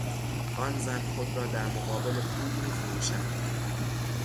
آن زن خود را در مقابل پول میفروشد.